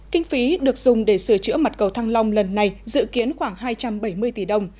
kinh phí được dùng để sửa chữa mặt cầu thăng long lần này dự kiến khoảng hai trăm bảy mươi tỷ đồng